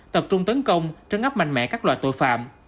tập trung tấn công trấn áp mạnh mẽ các loại tội phạm